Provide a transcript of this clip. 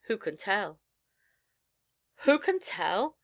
Who can tell?" "Who can tell?"